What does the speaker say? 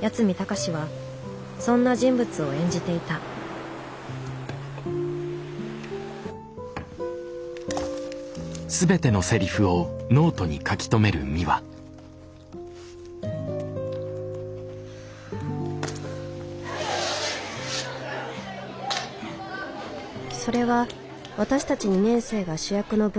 八海崇はそんな人物を演じていたそれは私たち２年生が主役の文化祭。